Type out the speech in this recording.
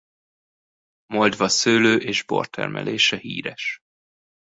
Moldva szőlő- és bortermelése híres.